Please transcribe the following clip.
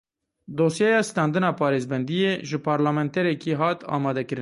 Dosyeya standina parêzbendiyê ji parlamenterekî hat amadekirin.